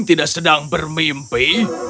tidak sedang bermimpi